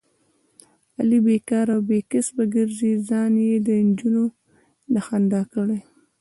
علي بیکاره او بې کسبه ګرځي، ځان یې دنجونو د خندا کړی دی.